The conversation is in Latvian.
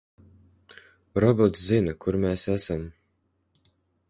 Robots zina, kur mēs esam.